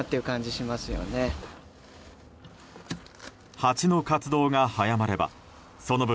ハチの活動が早まればその分